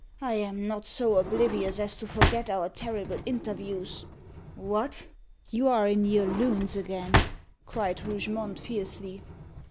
I am not so oblivious as to forget our terrible interviews." "What, you are in your lunes again!" cried Rougemont fiercely.